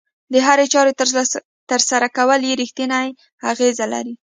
د هرې چارې ترسره کول يې رېښتینی اغېز لري.